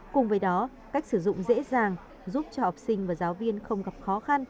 cùng với đó cách sử dụng dễ dàng giúp cho học sinh và giáo viên không gặp khó khăn